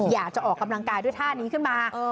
อยากจะออกกำลังกายด้วยท่านี้ขึ้นมา